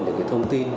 những cái thông tin